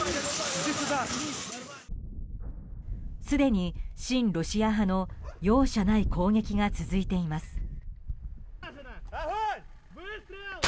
すでに、親ロシア派の容赦ない攻撃が続いています。